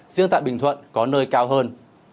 riêng tại bình thuận có nơi cao hơn